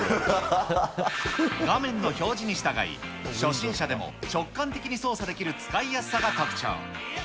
画面の表示に従い、初心者でも直感的に操作できる使いやすさが特徴。